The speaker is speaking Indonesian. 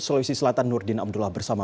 sulawesi selatan nurdin abdullah bersama